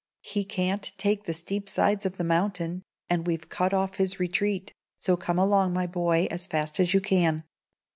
"He can't take the steep sides of the mountain, and we've cut off his retreat; so come along, my boy, as fast as you can."